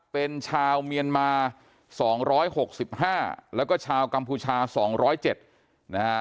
เป็นชาวเมียนมา๒๖๕แล้วก็ชาวกัมพูชา๒๐๗นะฮะ